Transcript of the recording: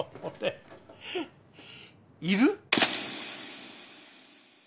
いる？